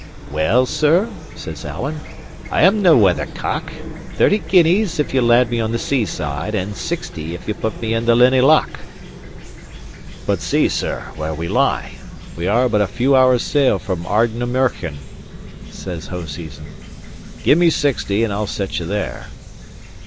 "Well, sir," says Alan, "I am nae weathercock. Thirty guineas, if ye land me on the sea side; and sixty, if ye put me in the Linnhe Loch." "But see, sir, where we lie, we are but a few hours' sail from Ardnamurchan," said Hoseason. "Give me sixty, and I'll set ye there."